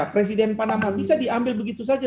presiden panama bisa diambil begitu saja